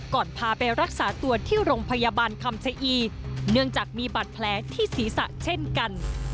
พาไปรักษาตัวที่โรงพยาบาลคำชะอีเนื่องจากมีบาดแผลที่ศีรษะเช่นกัน